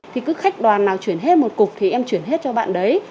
thì cứ khách đoàn nào chuyển hết một cục thì em chuyển hết cho bạn đấy